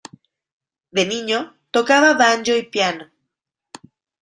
De niño tocaba banjo y piano.